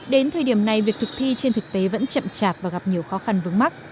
đến thời điểm này việc thực thi trên thực tế vẫn chậm chạp và gặp nhiều khó khăn vướng mắt